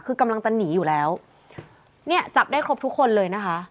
คือกำลังจะหนีอยู่แล้วเนี่ยจับได้ครบทุกคนเลยนะคะ